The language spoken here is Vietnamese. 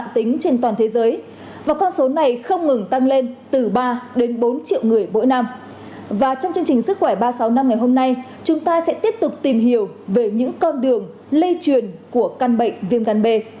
trong chương trình sức khỏe ba trăm sáu mươi năm ngày hôm nay chúng ta sẽ tiếp tục tìm hiểu về những con đường lây truyền của căn bệnh viêm gan b